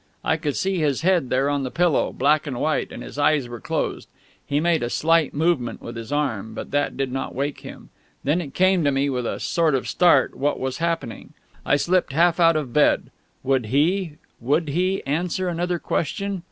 I could see his head there on the pillow, black and white, and his eyes were closed. He made a slight movement with his arm, but that did not wake him. Then it came to me, with a sort of start, what was happening. I slipped half out of bed. Would he would he? answer another question?...